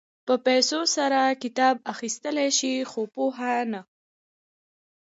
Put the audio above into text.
په پیسو سره کتاب اخيستلی شې خو پوهه نه شې.